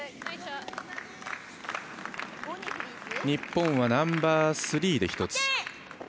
日本はナンバースリーで１つ。